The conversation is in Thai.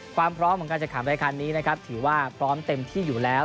ความพร้อมของการจัดขันรายการนี้นะครับถือว่าพร้อมเต็มที่อยู่แล้ว